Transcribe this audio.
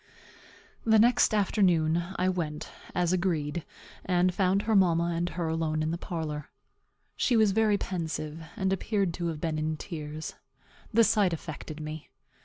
The next afternoon I went, as agreed, and found her mamma and her alone in the parlor. She was very pensive, and appeared to have been in tears. The sight affected me.